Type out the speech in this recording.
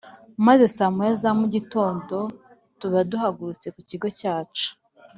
maze saa moya za mu gitondo tuba duhagurutse ku kigo cyacu